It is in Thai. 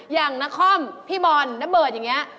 อย่างนครพี่บอลนเบิดอย่างนี้